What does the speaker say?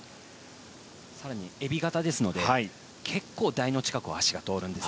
更にえび型ですので結構台の近くを足が通るんです。